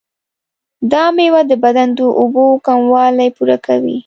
دا میوه د بدن د اوبو کموالی پوره کوي.